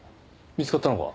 見つかったのか？